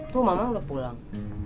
tuh mama udah pulang